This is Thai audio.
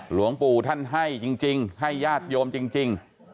หลวงปู่ท่านให้จริงให้ญาติโยมจริง